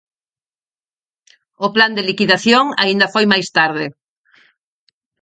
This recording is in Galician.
O plan de liquidación aínda foi máis tarde.